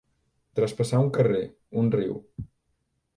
Traspassar un carrer, un riu.